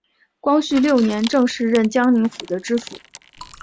光绪六年正式任江宁府知府。